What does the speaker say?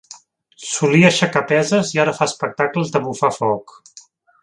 Solia aixecar peses i ara fa espectacles de bufar foc.